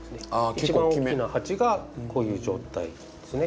一番大きな鉢がこういう状態ですね。